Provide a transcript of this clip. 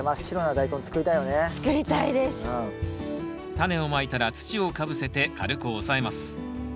タネをまいたら土をかぶせて軽く押さえます。